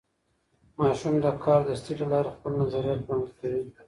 ماشومان د کاردستي له لارې خپل نظریات وړاندې کوي.